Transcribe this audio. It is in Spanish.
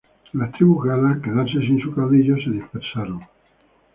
Las tribus galas, al quedarse sin su caudillo, se dispersaron.